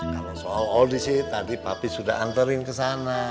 kalau soal audisi tadi papi sudah anterin ke sana